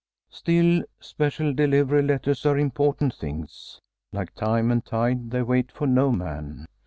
Still, special delivery letters are important things. Like time and tide they wait for no man.